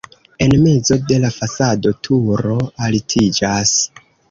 En mezo de la fasado turo altiĝas.